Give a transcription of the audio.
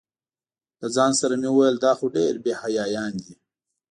له ځان سره مې ویل دا خو ډېر بې حیایان دي.